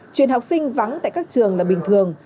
truyền học sinh vắng tại các trường là bình thường